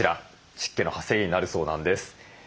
湿気の発生源になるそうなんです。